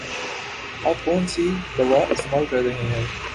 آپ کون سی دوا استعمال کر رہے ہیں؟